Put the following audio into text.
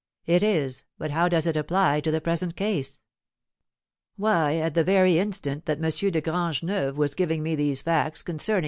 "It is; but how does it apply to the present case?" "Why, at the very instant that M. de Grangeneuve was giving me these facts concerning M.